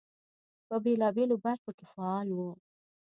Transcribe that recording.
په بېلابېلو برخو کې فعال وو.